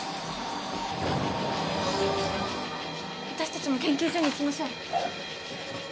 私たちも研究所に行きましょう。